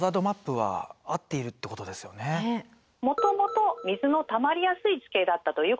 もともと水のたまりやすい地形だったということを表しています。